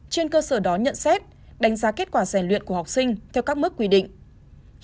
trên cơ sở đó nhận xét đánh giá kết quả rèn luyện của học sinh theo các mức quy định